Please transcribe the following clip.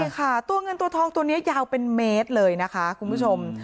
ใช่ค่ะตัวเงินตัวทองตัวนี้ยาวเป็นเมตรเลยนะคะคุณผู้ชม